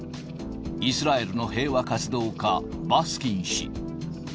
イスラエルの平和活動家、バスキン氏。